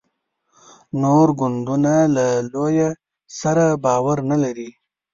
نور ګوندونه له لویه سره باور نه لري.